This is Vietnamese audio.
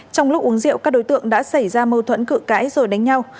trong lúc uống rượu các đối tượng đã xảy ra mâu thuẫn cự cãi rồi đánh nhau